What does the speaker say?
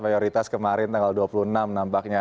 mayoritas kemarin tanggal dua puluh enam nampaknya